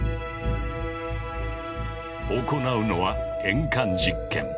行うのは鉛管実験。